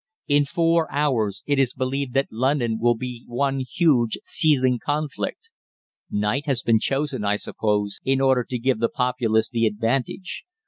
In four hours it is believed that London will be one huge seething conflict. Night has been chosen, I suppose, in order to give the populace the advantage.